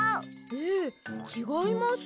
ええちがいます。